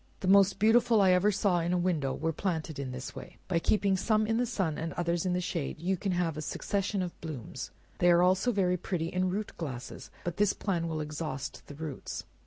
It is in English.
The most beautiful I ever saw in a window, were planted in this way, by keeping some in the sun, and others in the shade you can have a succession of blooms, they are also pretty in root glasses, but this plan will exhaust the roots.